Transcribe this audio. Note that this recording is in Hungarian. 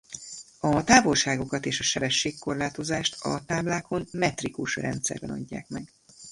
A távolságokat és a sebességkorlátozást a táblákon metrikus rendszerben adják meg.